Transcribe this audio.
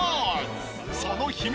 その秘密は。